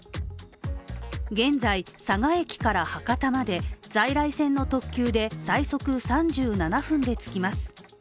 現在、佐賀駅から博多まで在来線の特急で最速３７分で着きます。